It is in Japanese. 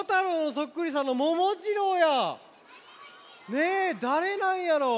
ねえだれなんやろ。